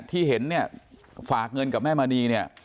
ที่เห็นเนี่ยฝากเงินกับแม่มณีเนี่ย